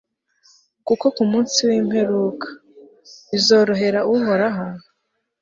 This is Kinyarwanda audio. kuko ku munsi w'imperuka, bizorohera uhoraho